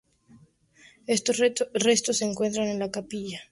Sus restos se encuentran en la capilla antigua de la catedral de Puebla.